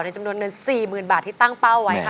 จำนวนเงิน๔๐๐๐บาทที่ตั้งเป้าไว้ค่ะ